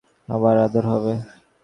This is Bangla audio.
যখন উপযুক্ত হবি, তখন তোদের আবার আদর হবে।